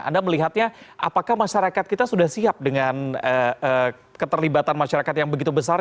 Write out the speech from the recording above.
anda melihatnya apakah masyarakat kita sudah siap dengan keterlibatan masyarakat yang begitu besar